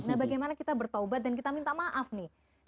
nah bagaimana kita bertaubat dan kita minta maaf nih